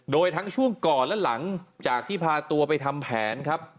โดยทั้งช่วงก่อนและหลังจากที่พาตัวไปทำแผนครับ